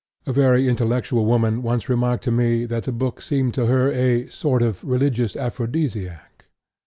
(A very intellectual woman once remarked to me that the book seemed to her "a sort of religious aphrodisiac.")